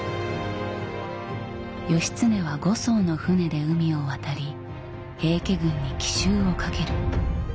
義経は５艘の舟で海を渡り平家軍に奇襲をかける。